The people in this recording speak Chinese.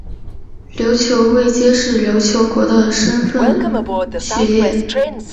琉球位阶是琉球国的身分序列。